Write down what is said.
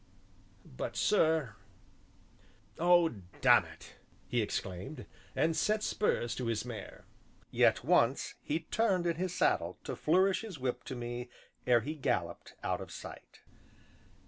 "But, sir " "Oh, dammit!" he exclaimed, and set spurs to his mare. Yet once he turned in his saddle to flourish his whip to me ere he galloped out of sight.